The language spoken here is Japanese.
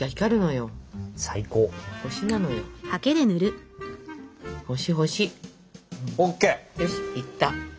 よしいった。